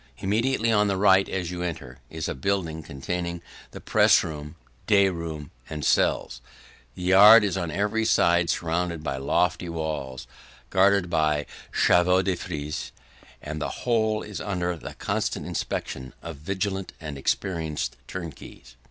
Immediately on the right as you enter, is a building containing the press room, day room, and cells; the yard is on every side surrounded by lofty walls guarded by CHEVAUX DE FRISE; and the whole is under the constant inspection of vigilant and experienced turnkeys.